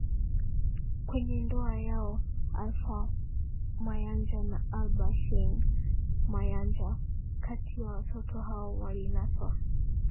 kwenye ndoa yao Alfa Mayanja na Alba Shyne Mayanja Kati ya watoto hao walinaswa